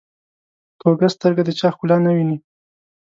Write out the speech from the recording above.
کوږه سترګه د چا ښکلا نه ویني